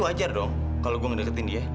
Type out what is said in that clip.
udahcje dia gak akan diikuti ya